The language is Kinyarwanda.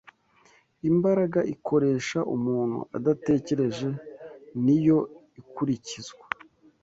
Imbaraga ikoresha umuntu adatekereje ni yo ikurikizwa